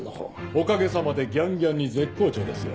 おかげさまでギャンギャンに絶好調ですよ。